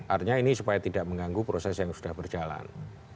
artinya ini supaya tidak mengganggu proses yang sudah berjalan